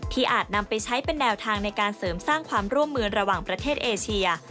อาจนำไปใช้เป็นแนวทางในการเสริมสร้างความร่วมมือระหว่างประเทศเอเชีย